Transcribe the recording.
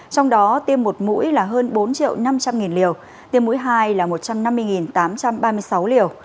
trong đó tiêm một mũi là hơn bốn triệu năm trăm linh liều tiêm mũi hai là một trăm năm mươi tám trăm ba mươi sáu liều